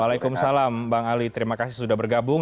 waalaikumsalam bang ali terima kasih sudah bergabung